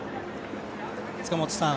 塚本さん